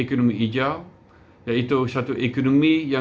indeks ekonomi hijau ini menunjukkan keseriosan indonesia untuk menuju ke ekonomi hijau